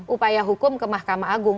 upaya hukum ke mahkamah agung